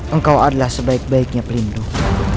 engkau adalah sebaik baiknya pelindung